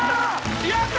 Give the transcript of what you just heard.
やった！